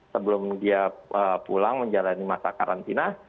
sebelum dia pulang menjalani masa karantina